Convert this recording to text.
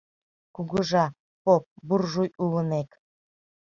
Кугыжа, поп, буржуй Улынек